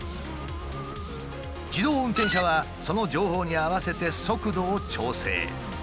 自動運転車はその情報に合わせて速度を調整。